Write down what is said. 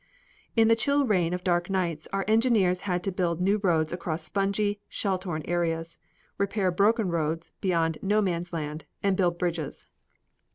In the chill rain of dark nights our engineers had to build new roads across spongy, shell torn areas, repair broken roads beyond No Man's Land, and build bridges.